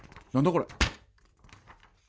これ。